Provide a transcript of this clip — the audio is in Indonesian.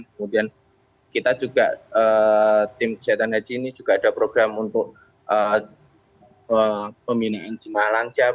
kemudian kita juga tim kesehatan haji ini juga ada program untuk pembinaan jemaah lansia